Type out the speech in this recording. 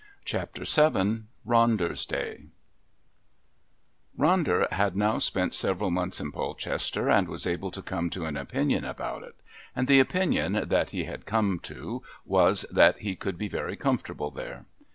Chapter VII Ronder's Day Ronder had now spent several months in Polchester and was able to come to an opinion about it, and the opinion that he had come to was that he could be very comfortable there.